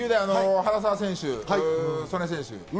原沢選手と素根選手。